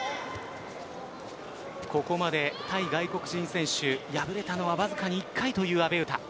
ここまで対外国人選手敗れたのはわずかに１回という阿部詩。